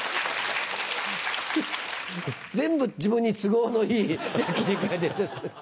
全部自分に都合のいい焼き肉屋ですねそれ。